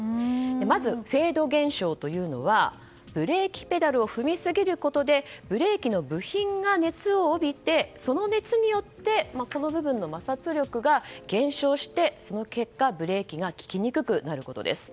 まずフェード現象というのはブレーキペダルを踏みすぎることでブレーキの部品が熱を帯びてその熱によってこの部分の摩擦力が減少してその結果、ブレーキが利きにくくなることです。